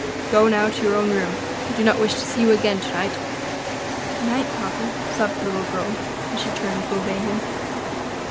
Go now to your own room; I do not wish to see you again to night." "Good night, papa," sobbed the little girl, as she turned to obey him.